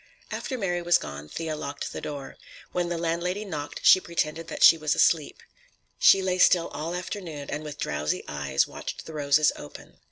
After Mary was gone Thea locked the door. When the landlady knocked, she pretended that she was asleep. She lay still all afternoon and with drowsy eyes watched the roses open.